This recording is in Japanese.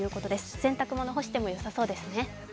洗濯物を干してもよさそうですね。